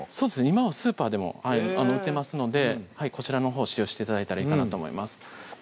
今はスーパーでも売ってますのでこちらのほう使用して頂いたらいいかなと思います